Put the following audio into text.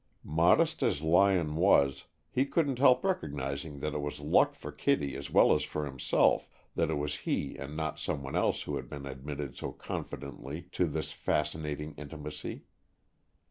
Modest as Lyon was, he couldn't help recognizing that it was luck for Kittie as well as for himself that it was he and not some one else who had been admitted so confidently to this fascinating intimacy.